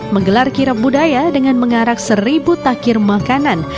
menggelar kirap budaya dengan mengarak seribu takir makanan